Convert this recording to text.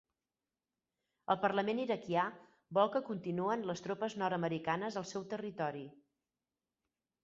El parlament iraquià vol que continuen les tropes nord-americanes al seu territori